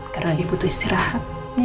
karena dia butuh istirahat